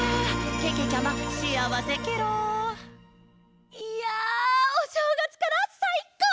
けけちゃま、しあわせケロ！」いやおしょうがつからさいこう！